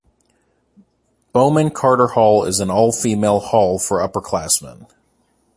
Bowman-Carter Hall is an all-female hall for upperclassmen.